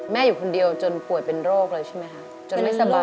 แม่อยู่คนเดียวจนปวดเป็นโรคเลยใช่ไหมครับ